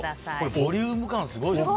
ボリューム感がすごいですね。